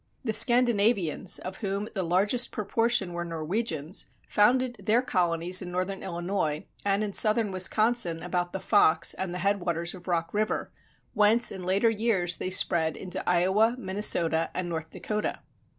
The Scandinavians, of whom the largest proportion were Norwegians, founded their colonies in Northern Illinois, and in Southern Wisconsin about the Fox and the head waters of Rock River, whence in later years they spread into Iowa, Minnesota and North Dakota.